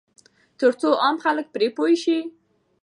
ترڅو عام خلک پرې پوه شي.